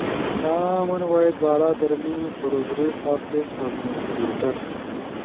کامن وائس بارا در می پروگریس اپڈیٹ اؤ نیوز لیٹر